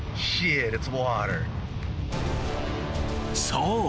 ［そう。